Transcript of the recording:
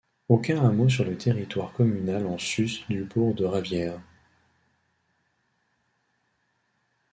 Aucun hameau sur le territoire communal en sus du bourg de Ravières.